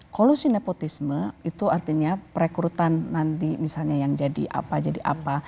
kolusi nepotisme itu artinya perekrutan nanti misalnya yang jadi apa jadi apa